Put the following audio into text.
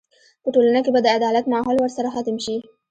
په ټولنه کې به د عدالت ماحول ورسره ختم شي.